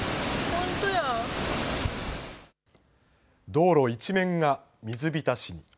道路一面が水浸しに。